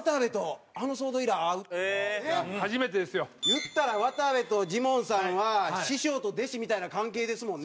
言ったら渡部とジモンさんは師匠と弟子みたいな関係ですもんね。